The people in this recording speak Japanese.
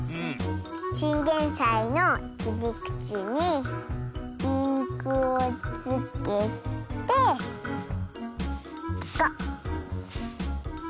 チンゲンサイのきりくちにインクをつけてゴッホ！